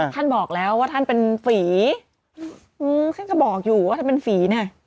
ท่านบอกแล้วว่าท่านเป็นฝีอือท่านก็บอกอยู่ว่าท่านเป็นฝีนี่